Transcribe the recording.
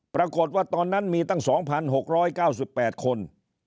ปรากฏว่าตอนนั้นมีตั้ง๒๖๙๘คน